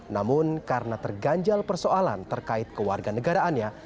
namun karena terganjal persoalan terkait kewarganegaraannya